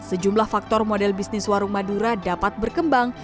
sejumlah faktor model bisnis warung madura dapat berkembang